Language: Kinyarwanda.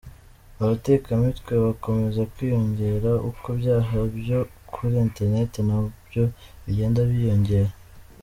Abatekamitwe bakomeza kwiyongera, uko ibyaha byo kuri internet nabyo bigenda byiyongera.